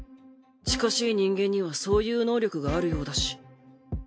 近しい人間にはそういう能力があるようだし。